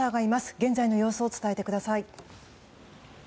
現在の様子を伝えてください。